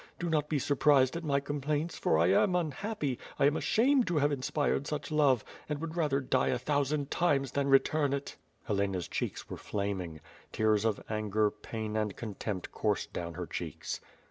Do not be surprised at my complaints, for 1 am unhappy, I am ashamed to have inspired such love, and would rather die a thousand times than return it." Helena's cheeks were llaming. Tears of anger, pain, and contempt coursed down her cheeks."